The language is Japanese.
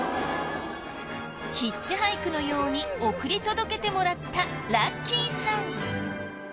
ヒッチハイクのように送り届けてもらったラッキーさん。